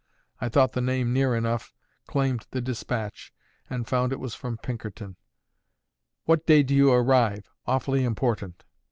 I thought the name near enough, claimed the despatch, and found it was from Pinkerton: "What day do you arrive? Awfully important."